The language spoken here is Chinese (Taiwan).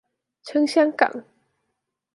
撐香港